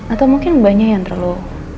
atau mungkin banyak yang terlalu